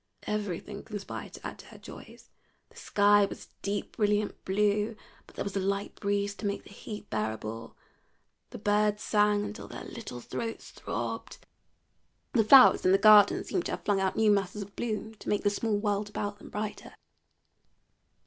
Everything conspired to add to her joys. The sky was deep brilliant blue, but there was a light breeze to make the heat bearable; the birds sang until their little throats throbbed; the flowers in the garden seemed to have flung out new masses of bloom to make the small world about them brighter.